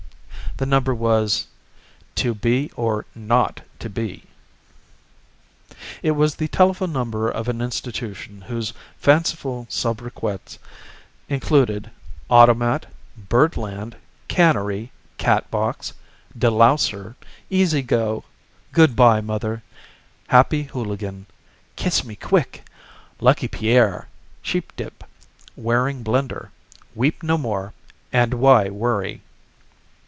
The number was: "2 B R 0 2 B." It was the telephone number of an institution whose fanciful sobriquets included: "Automat," "Birdland," "Cannery," "Catbox," "De louser," "Easy go," "Good by, Mother," "Happy Hooligan," "Kiss me quick," "Lucky Pierre," "Sheepdip," "Waring Blendor," "Weep no more" and "Why Worry?"